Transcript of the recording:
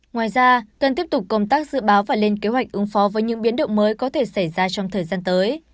ngoài ra cần tiếp tục công tác dự báo và lên kế hoạch ứng phó với những biến động mới có thể xảy ra trong thời gian tới